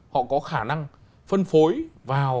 họ có khả năng phân phối vào